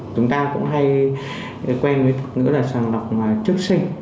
chúng ta cũng hay quen với thật ngữ là sàng lọc trước sinh